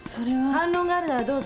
反論があるならどうぞ。